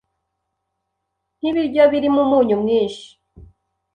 nk’ibiryo birimo umunyu mwinshi,